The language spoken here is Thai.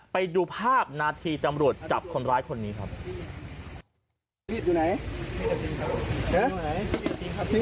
ไปดูภาพนาทีตำรวจจับคนร้ายคนนี้ครับ